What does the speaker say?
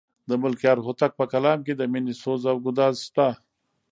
د ملکیار هوتک په کلام کې د مینې سوز او ګداز شته.